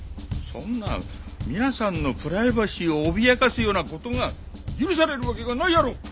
そんな皆さんのプライバシーを脅かすような事が許されるわけがないやろ！